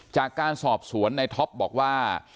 จากการสอบสวนในท็อปบอกว่า